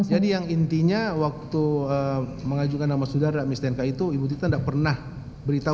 jadi yang intinya waktu mengajukan nama saudara di stnk itu ibu butita tidak pernah beritahu